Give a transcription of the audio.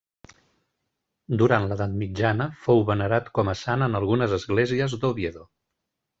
Durant l'Edat mitjana fou venerat com a sant en algunes esglésies d'Oviedo.